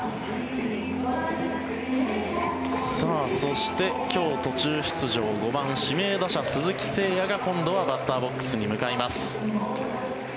そして、今日途中出場５番指名打者、鈴木誠也が今度はバッターボックスに向かいます。